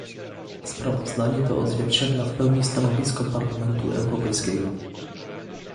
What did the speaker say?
Sprawozdanie to odzwierciedla w pełni stanowisko Parlamentu Europejskiego